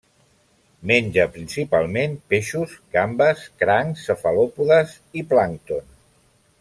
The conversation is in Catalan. Menja principalment peixos, gambes, crancs, cefalòpodes i plàncton.